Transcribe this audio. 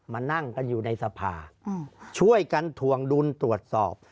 มานั่งกันอยู่ในสภาช่วยกันถวงดุลตรวจสอบ